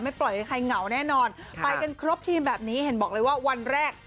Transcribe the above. ปล่อยให้ใครเหงาแน่นอนไปกันครบทีมแบบนี้เห็นบอกเลยว่าวันแรก